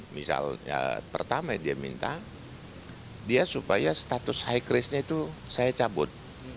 misalnya pertama dia minta dia supaya status high risknya itu saya cabut